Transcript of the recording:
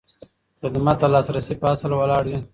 خدمت د لاسرسي په اصل ولاړ وي.